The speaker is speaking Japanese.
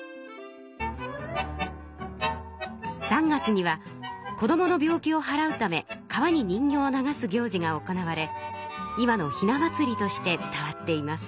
３月には子どもの病気をはらうため川に人形を流す行事が行われ今のひな祭りとして伝わっています。